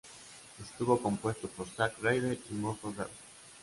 Estuvo compuesto por Zack Ryder y Mojo Rawley.